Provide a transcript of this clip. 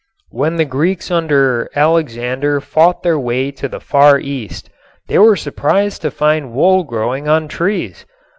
When the Greeks under Alexander fought their way to the Far East they were surprised to find wool growing on trees.